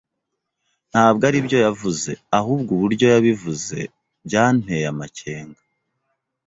Ntabwo aribyo yavuze, ahubwo uburyo yabivuze byanteye amakenga.